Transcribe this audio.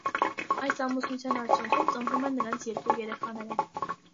Այս ամուսնության արդյունքում ծնվում են նրանց երկու երեխաները։